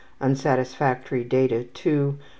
1 Unsatisfactory data ....